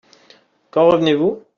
Quand revenez-vous ?